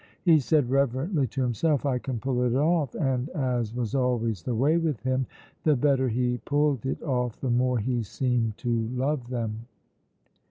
He said reverently to himself, "I can pull it off," and, as was always the way with him, the better he pulled it off the more he seemed to love them.